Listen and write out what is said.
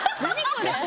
これ。